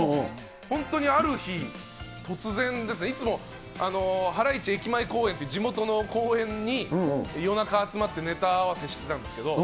本当にある日、突然ですね、いつも、はらいち駅前公園って地元の公園に、夜中集まって、ネタ合わせしてたんですけど。